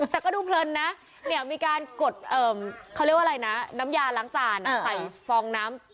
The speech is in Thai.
แต่ก็ดูฟลั่นนะมีการกดน้ำยานล้างสาวจารงไฟฟองน้ำ